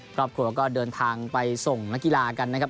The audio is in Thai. ครอบครัวก็เดินทางไปส่งนักกีฬากันนะครับ